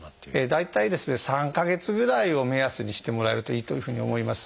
大体ですね３か月ぐらいを目安にしてもらえるといいというふうに思います。